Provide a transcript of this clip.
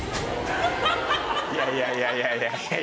いやいやいやいや。